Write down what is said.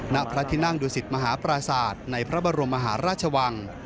ณพระที่นั่งดูสิตมหาปราศาสตร์ในพระบรมมหาราชวัง